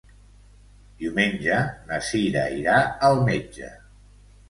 Diumenge na Cira irà al metge.